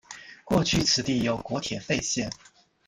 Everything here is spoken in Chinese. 过去此地有国铁废线。